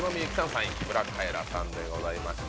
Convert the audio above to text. ３位木村カエラさんでございました。